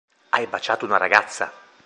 Hai baciato una ragazza!